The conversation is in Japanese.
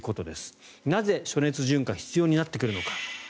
なぜ暑熱順化が必要になってくるのか。